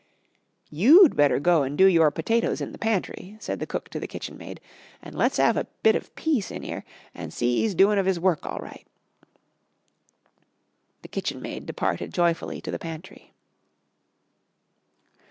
"You'd better go an' do your potatoes in the pantry," said the cook to the kitchenmaid, "and let's 'ave a bit of peace in 'ere and see 'e's doin' of 'is work all right." The kitchenmaid departed joyfully to the pantry.